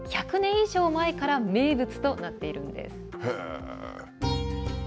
以上前から名物となっているんです。